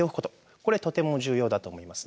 これとても重要だと思います。